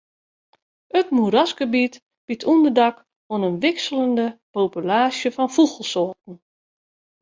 It moerasgebiet biedt ûnderdak oan in wikseljende populaasje fan fûgelsoarten.